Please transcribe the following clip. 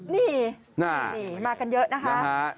นี่มากันเยอะนะคะ